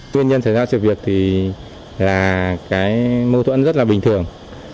tuyên nhân xảy ra trực việc thì là cái mâu thuẫn rất là bình thường